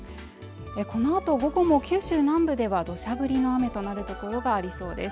このあと午後も九州南部では土砂降りの雨となるところがありそうです。